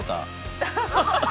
ハハハハ！